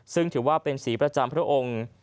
ซึ่งถือว่าเป็นสีประจำพระองค์